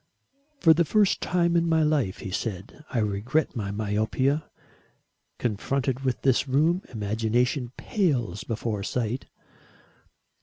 "For the first time in my life," he said, "I regret my myopia. Confronted with this room, imagination pales before sight."